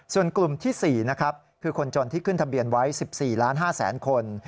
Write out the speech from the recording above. ส่วนกลุ่มที่๔คือคนจนที่ขึ้นทะเบียนไว้๑๔๕๐๐๐๐๐คน